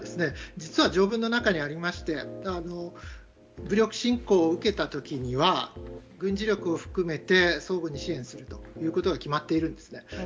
実は条文の中にありまして武力侵攻を受けた時には軍事力を含めて相互に支援するということが決まっているんですね。